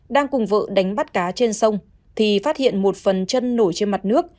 đang cùng vợ đánh bắt cá trên sông thì phát hiện một phần chân nổi trên mặt nước